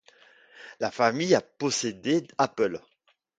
La famille a possédé Apples.